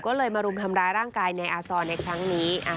ก็เลยมารุมทำร้ายร่างกายในอาซอนในครั้งนี้